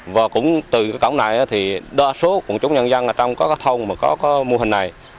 và cũng từ cái cổng này thì đa số quần chúng nhân dân trong các thông mà có mô hình này